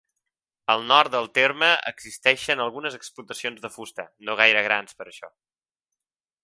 Al Nord del terme existeixen algunes explotacions de fusta, no gaire grans per això.